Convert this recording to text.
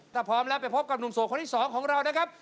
ถ้าพร้อมแล้วไปพบกับหนุ่มโสดคนที่๒ของเรานะครับ